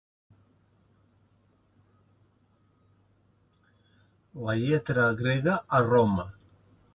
La lletra grega a Roma.